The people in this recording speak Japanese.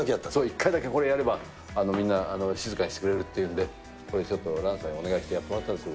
一回だけこれやれば、みんな静かにしてくれるっていうんで、これでちょっと蘭さんにお願いしてやってもらったんですよ。